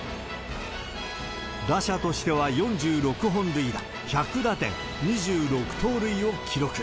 打者としては４６本塁打１００打点２６盗塁を記録。